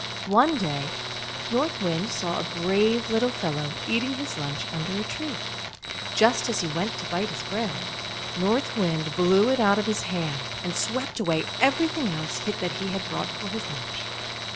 One day, North Wind saw a brave little fellow eating his lunch under a tree. Just as he went to bite his bread, North Wind blew it out of his hand and swept away everything else that he had brought for his lunch.